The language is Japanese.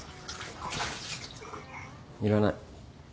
いらない。